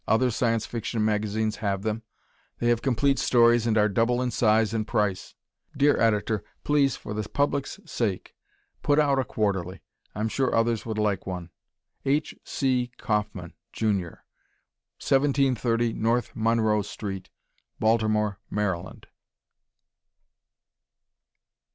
Other Science Fiction magazines have them. They have complete stories and are double in size and price. Dear Editor, please, for the public's sake, put out a Quarterly. I'm sure others would like one. H. C. Kaufman, Jr., 1730 N. Monroe St., Baltimore, Maryland.